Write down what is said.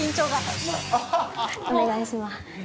お願いします。